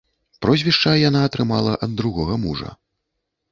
Прозвішча яна атрымала ад другога мужа.